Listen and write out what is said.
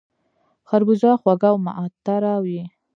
خربوزه خوږه او معطره وي